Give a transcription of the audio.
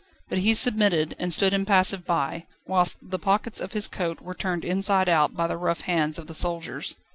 But he submitted, and stood impassive by, whilst the pockets of his coat were turned inside out by the rough hands of the soldiers.